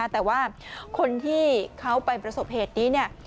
แต่ว่าคนที่เขาไปประสบเหตุนี้